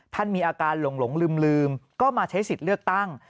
มีอาการหลงลืมก็มาใช้สิทธิ์เลือกตั้ง